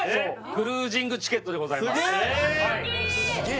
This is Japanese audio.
クルージングチケットでございますすげえ！